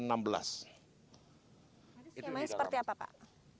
skemanya seperti apa pak